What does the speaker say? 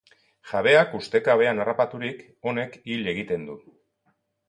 Jabeak ustekabean harrapaturik, honek hil egiten du.